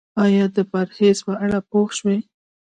ایا د پرهیز په اړه پوه شوئ؟